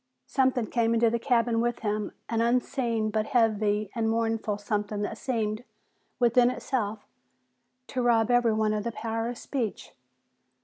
Something came into the cabin with him, an unseen but heavy and mournful something that seemed, within itself, to rob everyone of the power of speech.